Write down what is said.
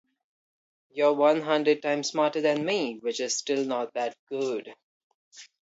You're one hundred times smarter than me, which is still not that good.